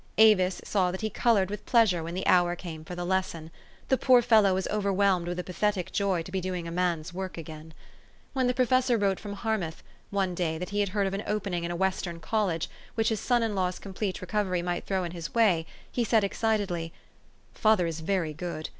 Avis saw that he colored with pleasure when the hour came for the lesson. The poor fellow was overwhelmed with a pathetic joy to be doing a man's work again. THE STORY OF AVIS. 417 When the professor wrote from Harmouth, one day, that he had heard of an opening in a Western college, which his son in law's complete recovery might throw in his way, he said excitedly, " Father is very good.